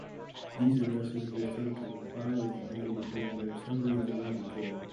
These addresses will serve to comply with the negative during their assembly in the laboratory.